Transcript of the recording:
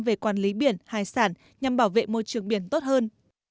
về quản lý biển hải sản nhằm bảo vệ môi trường biển tốt hơn